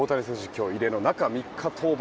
今日は異例の中３日登板。